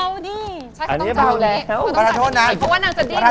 อันนี้เบาดีฉันก็ต้องเจอกัน